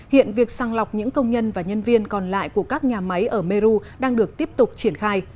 hiện việc sang lọc những công nhân và nhân viên còn lại của các nhà máy ở meru đang được tiếp tục triển khai